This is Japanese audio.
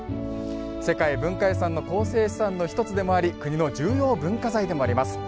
世界文化遺産の構成資産の１つでもあり国の重要文化財でもあります。